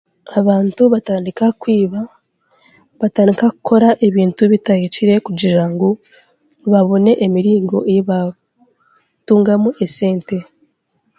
Abantu batandika kwiba. Batandika kukora ebintu bitahikire kugira ngu babone emiringo ei batungamu sente.